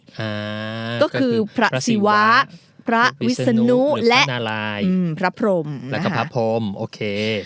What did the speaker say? อ่าก็คือพระสิวะพระวิสนุพระนารายและพระพรมและก็พระพรมอ่าโอเค